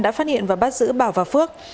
đã phát hiện và bắt giữ bảo và phước